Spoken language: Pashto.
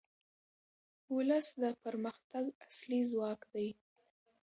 ولس د پرمختګ اصلي ځواک دی.